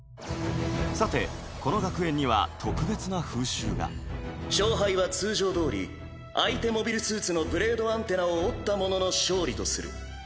さてこの学園には特別な風習が勝敗は通常どおり相手モビルスーツのブレードアンテナを折った者の勝利とする。